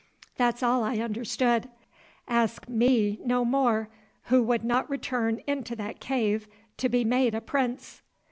That's all I understood; ask me no more, who would not return into that cave to be made a prince."